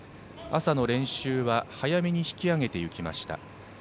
朝の練習は早めに引き揚げていきました。